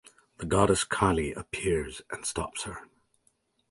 The Goddess Kali appears and stops her.